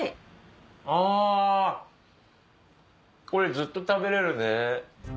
あこれずっと食べれるね。